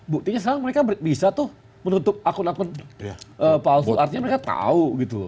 buktinya sekarang mereka bisa tuh menutup akun akun palsu artinya mereka tahu gitu